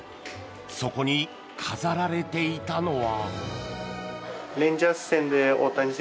そこに飾られていたのは。